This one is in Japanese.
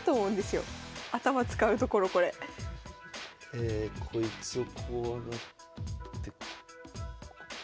えこいつをこう上がって。